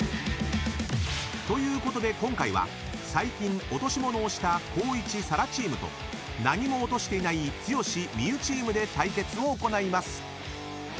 ［ということで今回は最近落とし物をした光一・紗来チームと何も落としていない剛・望結チームで対決を行います］